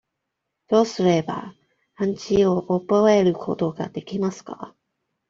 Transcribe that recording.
どうすれば、漢字を覚えることができますか。